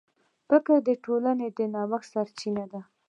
فکر د ټولنې د نوښت سرچینه ده.